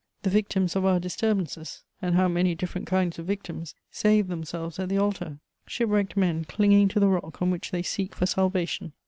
The victims of our disturbances (and how many different kinds of victims!) saved themselves at the altar: shipwrecked men clinging to the rock on which they seek for salvation.